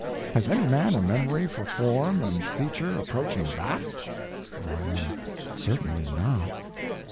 Has any man a memory for form and feature approaching that? Y.M. Certainly not.